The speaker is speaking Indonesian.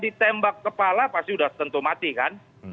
ditembak kepala pasti sudah tentu mati kan